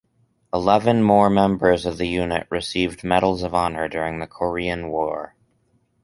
Eleven more members of the unit received Medals of Honor during the Korean War.